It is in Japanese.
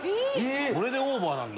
これでオーバーなんだ。